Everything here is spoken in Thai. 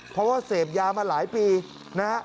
เพราะว่าเสพยามาหลายปีนะฮะ